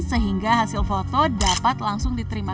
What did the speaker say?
sehingga hasil foto dapat langsung diterima